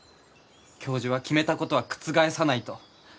教授は決めたことは覆さないと。